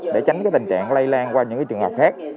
để tránh tình trạng lây lan qua những trường hợp khác